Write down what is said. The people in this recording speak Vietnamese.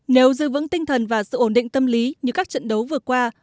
nếu giữ vững tinh thần và sự ổn định tâm lý như các trận đấu vừa qua